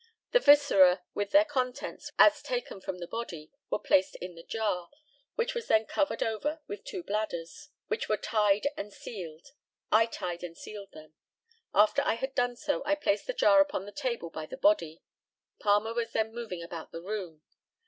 The viscera, with their contents, as taken from the body, were placed in the jar, which was then covered over with two bladders, which were tied and sealed. I tied and sealed them. After I had done so I placed the jar upon the table by the body. Palmer was then moving about the room.